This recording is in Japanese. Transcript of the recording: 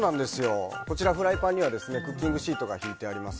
こちらフライパンにはクッキングシートが敷いてあります。